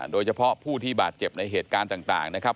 โดยเฉพาะผู้ที่บาดเจ็บในเหตุการณ์ต่างนะครับ